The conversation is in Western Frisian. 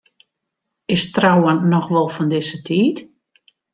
Is trouwen noch wol fan dizze tiid?